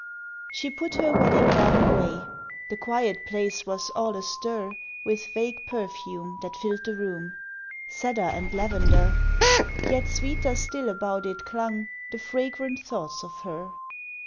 She put her wedding gown away The quiet place was all astir With vague perfume that filled the room, Cedar and lavender, Yet sweeter still about it clung The fragrant thoughts of her.